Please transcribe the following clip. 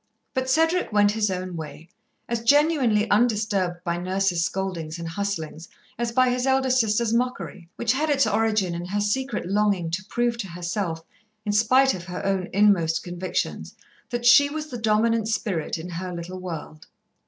But Cedric went his own way, as genuinely undisturbed by Nurse's scoldings and hustlings as by his elder sister's mockery, which had its origin in her secret longing to prove to herself, in spite of her own inmost convictions, that she was the dominant spirit in her little world.